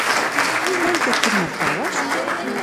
¿Tlen tekitl mokauas?